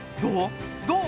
どう？